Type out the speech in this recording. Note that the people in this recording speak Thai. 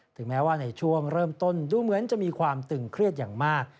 แม้ว่าในช่วงเริ่มต้นดูเหมือนจะมีความตึงเครียดอย่างมาก